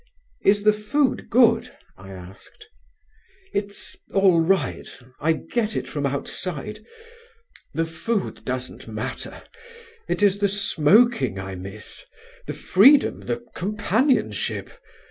"Is the food good?" I asked. "It's all right; I get it from outside. The food doesn't matter. It is the smoking I miss, the freedom, the companionship.